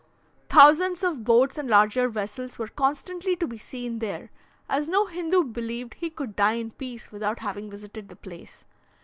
Thousands of boats and larger vessels were constantly to be seen there, as no Hindoo believed he could die in peace without having visited the place.